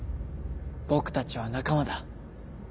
僕たちは仲間だ。